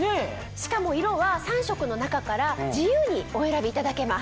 しかも色は３色の中から自由にお選びいただけます。